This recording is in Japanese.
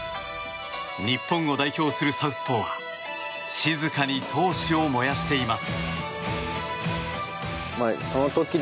日本を代表するサウスポーは静かに闘志を燃やしています。